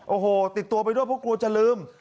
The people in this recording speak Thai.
โอ้โหติดตัวไปด้วยพวกคุณจะลืม